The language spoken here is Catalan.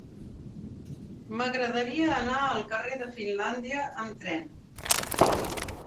M'agradaria anar al carrer de Finlàndia amb tren.